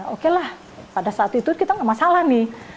oke lah pada saat itu kita nggak masalah nih